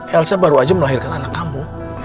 elsa baru aja melahirkan anak kamu